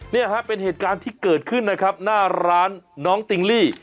เนี่ยฮะเป็นเหตุการณ์ที่เกิดขึ้นนะครับหน้าร้านน้องติงลี่